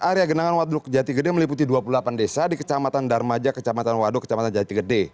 area genangan waduk jati gede meliputi dua puluh delapan desa di kecamatan darmaja kecamatan waduk kecamatan jati gede